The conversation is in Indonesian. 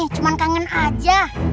cuman kangen aja